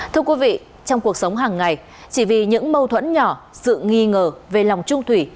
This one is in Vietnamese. thưa quý vị trong cuộc sống hàng ngày chỉ vì những mâu thuẫn nhỏ sự nghi ngờ về lòng trung thủy